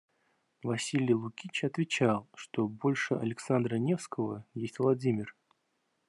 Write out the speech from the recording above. Василий Лукич отвечал, что больше Александра Невского есть Владимир.